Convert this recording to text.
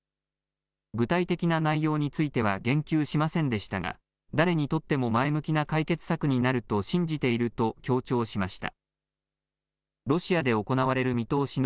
具体的な内容については言及しませんでしたが誰にとっても前向きな解決策になると信じていると強調しました。